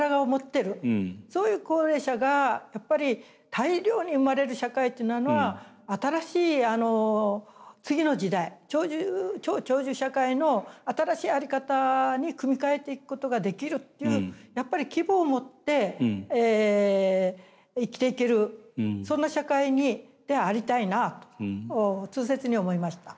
そういう高齢者がやっぱり大量に生まれる社会っていうのは新しい次の時代超長寿社会の新しい在り方に組み替えていくことができるっていうやっぱり希望を持って生きていけるそんな社会でありたいなと痛切に思いました。